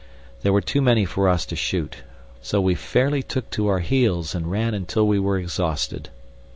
There were too many for us to shoot, so we fairly took to our heels and ran until we were exhausted.